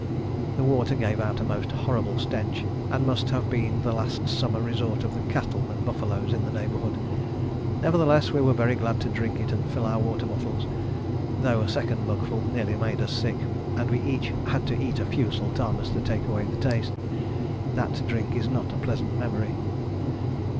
The water gave out a most horrible stench, and must have been the last summer resort of the cattle and buffaloes of the neighbourhood. Nevertheless, we were very glad to drink it and fill our water bottles, though a second mugful nearly made us sick, and we each had to eat a few sultanas to take away the taste. That drink is not a pleasant memory.